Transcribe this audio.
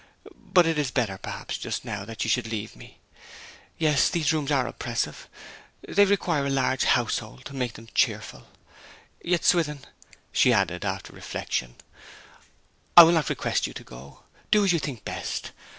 But it is better, perhaps, just now, that you should leave me. Yes, these rooms are oppressive. They require a large household to make them cheerful. ... Yet, Swithin,' she added, after reflection, 'I will not request you to go. Do as you think best.